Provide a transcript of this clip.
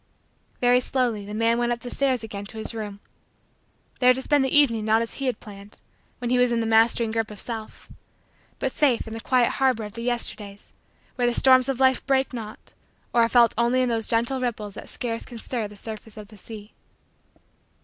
Very slowly the man went up the stairs again to his room; there to spend the evening not as he had planned, when he was in the mastering grip of self, but safe in the quiet harbor of the Yesterdays where the storms of life break not or are felt only in those gentle ripples that scarce can stir the surface of the sea.